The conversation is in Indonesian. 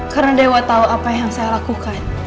karena dewa tahu apa yang saya lakukan